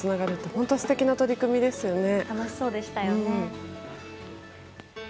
本当に素敵な取り組みですよね。